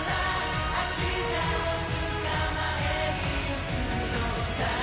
．．．．．．明日をつかまえに行くのさ